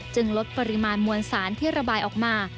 ลดปริมาณมวลสารที่ระบายออกมา